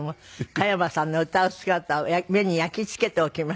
加山さんの歌う姿を目に焼き付けておきました。